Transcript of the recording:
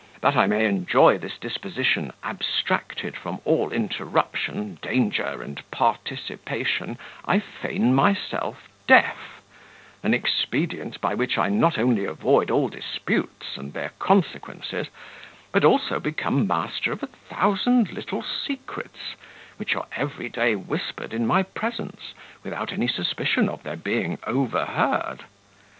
That I may enjoy this disposition, abstracted from all interruption, danger, and participation, I feign myself deaf; an expedient by which I not only avoid all disputes and their consequences, but also become master of a thousand little secrets, which are every day whispered in my presence, without any suspicion of their being overheard.